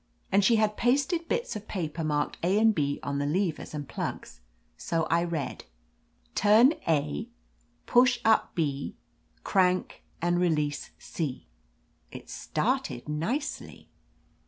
And she had pasted bits of paper marked A and B on the levers and plugs. So I read : "Turn A ; push up B ; crank, and release C." It started nicely.